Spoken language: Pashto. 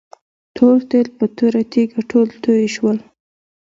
تور تیل په توره تيږه ټول توي شول.